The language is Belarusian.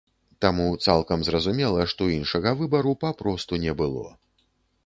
Таму цалкам зразумела, што іншага выбару папросту не было.